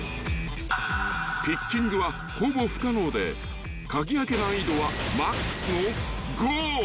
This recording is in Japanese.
［ピッキングはほぼ不可能で鍵開け難易度はマックスの５］あっ。